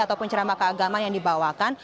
ataupun ceramah keagama yang dibawakan